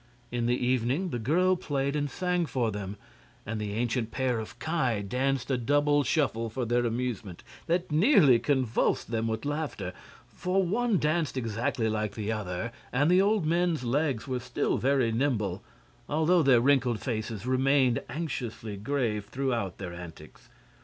In the evening the girl played and sang for them, and the ancient pair of Ki danced a double shuffle for their amusement that nearly convulsed them with laughter. For one danced exactly like the other, and the old men's legs were still very nimble, although their wrinkled faces remained anxiously grave throughout their antics.